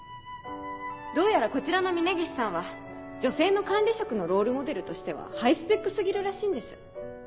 どうやらこちらの峰岸さんは女性の管理職のロールモデルとしてはハイスペック過ぎるらしいんです。